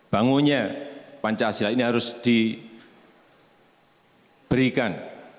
bangunnya pancasila ini harus diberikan